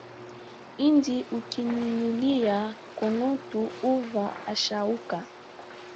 Indi ukinynyulia nkonotu huva ashauka